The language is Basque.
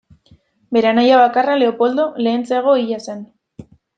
Bere anai bakarra, Leopoldo, lehentxeago hila zen.